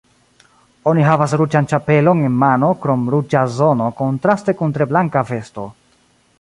Oni havas ruĝan ĉapelon en mano, krom ruĝa zono kontraste kun tre blanka vesto.